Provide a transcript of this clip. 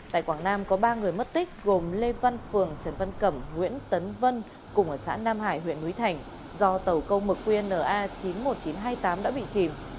tại quảng nam có ba người mất tích gồm lê văn phường trần văn cẩm nguyễn tấn vân cùng ở xã nam hải huyện núi thành do tàu câu mực qnna chín mươi một nghìn chín trăm hai mươi tám đã bị chìm